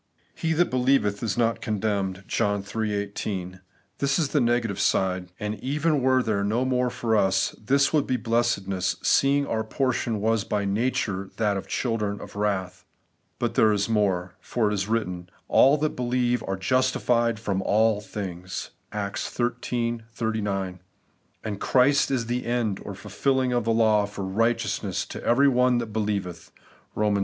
He that beUeveth is not condemned ' (John iii 18). This is the negative side ; and even were there no more for us, this would be blessedness, seeing our portion was by nature that of ' children of wratk' But there is more ; for it is written, ' All that believe are justified from all things' (Acts xiii 39); and * Christ is the end (or fulfilling) of the law for KIGHTEOUSNESS to every one that believeth ' (Eom. X.